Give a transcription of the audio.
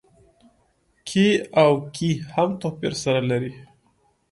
کې او کي هم توپير سره لري.